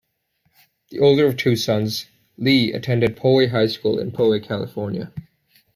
The older of two sons, Lee attended Poway High School in Poway, California.